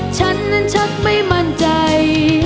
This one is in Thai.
ฉันนั้นชักไม่มั่นใจ